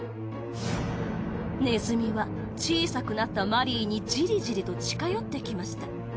ネズミは小さくなったマリーにジリジリと近寄ってきました。